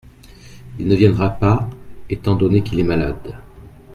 Il ne viendra pas étant donné qu’il est malade.